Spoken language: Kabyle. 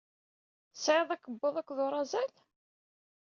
Tesɛiḍ akebbuḍ akked urazal?